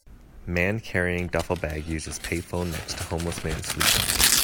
man carrying duffel bag uses pay phone next to homeless man sleeping.